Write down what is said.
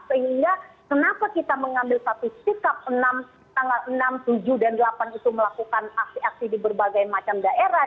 sehingga kenapa kita mengambil satu sikap enam tanggal enam tujuh dan delapan itu melakukan aksi aksi di berbagai macam daerah